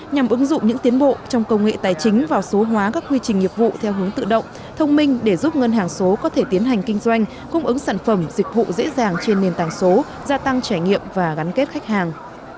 nhằm ứng dụng những tiến bộ trong công nghệ tài chính và số hóa các quy trình nghiệp vụ theo hướng tự động thông minh để giúp ngân hàng số có thể tiến hành kinh doanh cung ứng sản phẩm dịch vụ dễ dàng trên nền tảng số gia tăng trải nghiệm và gắn kết khách hàng